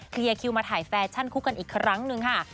คิวมาถ่ายแฟชั่นคู่กันอีกครั้งหนึ่งค่ะ